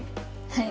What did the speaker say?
はい。